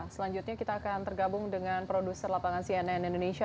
selanjutnya kita akan tergabung dengan produser lapangan cnn indonesia